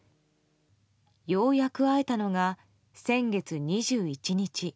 ようやく会えたのが先月２１日。